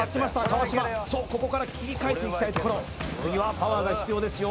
川島そうここから切りかえていきたいところ次はパワーが必要ですよ